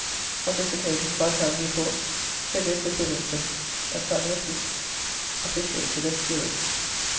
On this occasion Viscount Newport, Sir Joseph Williamson, and Samuel Pepys officiated as stewards.